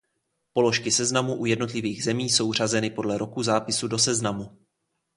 Položky seznamu u jednotlivých zemí jsou řazeny podle roku zápisu do Seznamu.